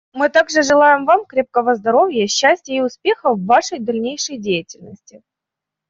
Мы также желаем Вам крепкого здоровья, счастья и успехов в Вашей дальнейшей деятельности.